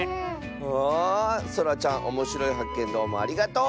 ああそらちゃんおもしろいはっけんどうもありがとう！